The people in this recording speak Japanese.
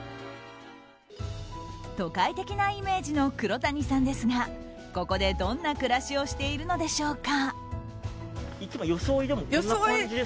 都会的なイメージの黒谷さんですがここでどんな暮らしをしているのでしょうか。